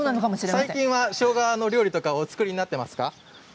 最近はしょうがの料理とかお作りになっていますか。